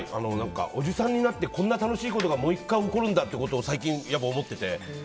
おじさんになってこんな楽しいことが起こるんだっていうのが最近、思ってて。